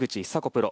プロ。